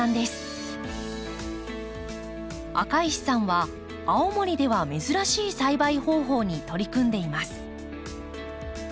赤石さんは青森では珍しい栽培方法に取り組んでいます。